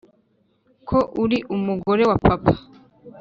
ko uri umugore wa papa,